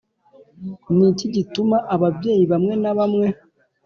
Ni iki gituma ababyeyi bamwe na bamwe